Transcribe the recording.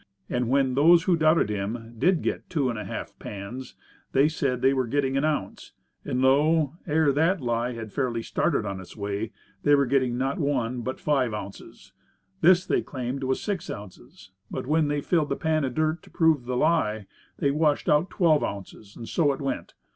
And when those who doubted him did get two and a half pans, they said they were getting an ounce, and lo! ere the lie had fairly started on its way, they were getting, not one ounce, but five ounces. This they claimed was six ounces; but when they filled a pan of dirt to prove the lie, they washed out twelve ounces. And so it went.